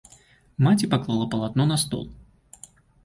Маці паклала палатно на стол.